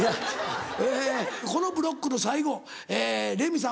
えこのブロックの最後レミさん